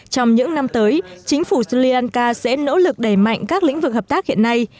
trong những năm tới chính phủ sri lanka sẽ nỗ lực đẩy mạnh các lĩnh vực hợp tác hiện nay